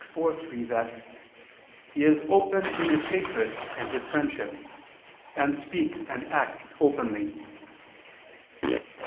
iv, 3) that "he is open in his hatreds and his friendships ... and speaks and acts openly."